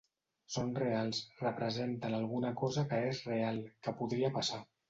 Són reals, representen alguna cosa que és real, que podria passar.